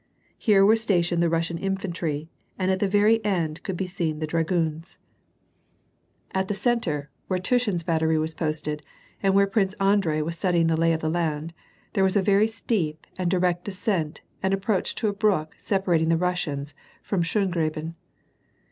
Here were stationed the Russian infantry, and at the very end could be seen the <iragoons. VOL. 1.— 14. 210 WAk AND PEACE. In the centre, where Tushin's battery was posted, and where Prince Andrei was studying the lay of the land, there was a very steep and direct descent and approach to a brook separat ing the Russians from Schongraben.